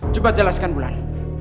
coba jelaskan bulan